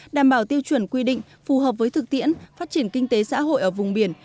đảm bảo tiêu chuẩn quy định phù hợp với thực tiễn phát triển kinh tế xã hội ở vùng biển